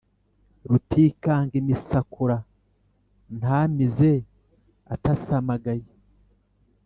Rutikanga imisakura nta mize atasamagaye;